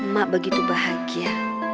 mak begitu bahagia